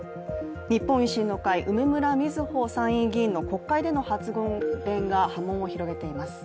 日本維新の会、梅村みずほ参院議員の国会での発言が波紋を広げています。